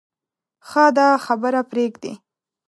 ښه ده خبره پرېږدې.